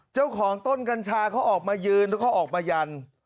เจ้าของต้นกัญชาเขาออกมายืนแล้วเขาออกมายัน